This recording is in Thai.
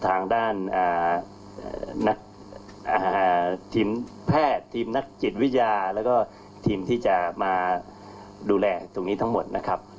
ทางด้านนักทีมแพทย์ทีมนักจิตวิทยาแล้วก็ทีมที่จะมาดูแลตรงนี้ทั้งหมดนะครับ